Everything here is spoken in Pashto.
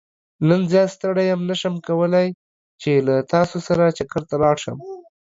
نن زيات ستړى يم نه شم کولاي چې له تاسو سره چکرته لاړ شم.